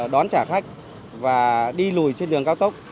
đón trả khách và đi lùi trên đường cao tốc